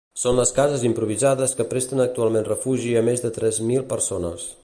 Són les cases improvisades que presten actualment refugi a més de tres mil persones.